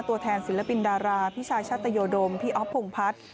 ตัวแทนศิลปินดาราพี่ชายชัตยดมพี่อ๊อฟพงพัฒน์